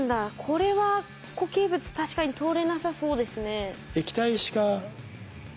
これは固形物確かに通れなさそうですね。